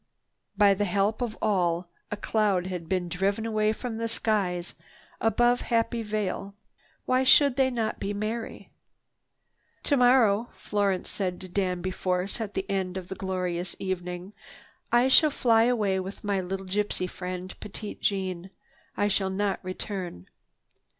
By the help of all, a cloud had been driven away from the skies above Happy Vale. Why should they not be merry? "Tomorrow," Florence said to Danby Force at the end of the glorious evening, "I shall fly away with my little gypsy friend, Petite Jeanne. I shall not return.